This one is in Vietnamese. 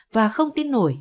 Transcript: và không tin nổi